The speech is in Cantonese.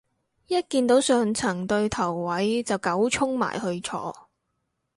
一見到上層對頭位就狗衝埋去坐